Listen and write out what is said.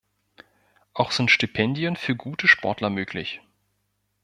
Auch sind Stipendien für gute Sportler möglich.